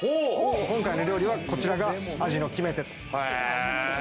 今回の料理は、こちらが味の決め手と。